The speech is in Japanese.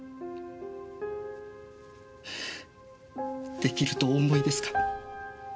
できるとお思いですか？